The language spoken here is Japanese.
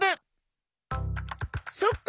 そっか。